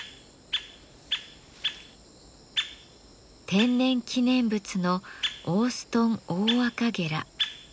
天然記念物のオーストンオオアカゲラ。